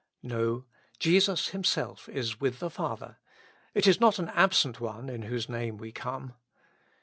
No, Jesus Himself is with the Father ; it is not an absent one in whose name we come.